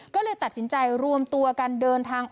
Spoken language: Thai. ก็เลยตัดสินใจรวมตัวกันเดินทาง